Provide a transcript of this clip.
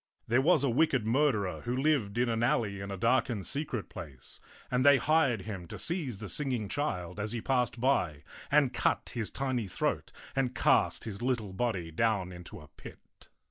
There was a wicked murderer who lived in an 82 ^§e ^uox^bb'b €cKk alley in a dark and secret place, and they hired him to seize the singing child as he passed by and cut his tiny throat and cast his little body down into a pit.